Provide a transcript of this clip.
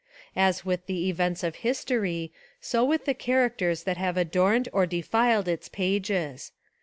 As with the events of history so with the characters that have adorned or defiled its pages.